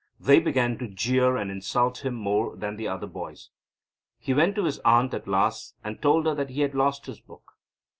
They began to jeer and insult him more than the other boys. He went to his aunt at last, and told her that he had lost his book.